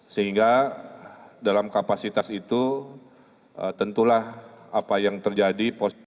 sehingga dalam kapasitas itu tentulah apa yang terjadi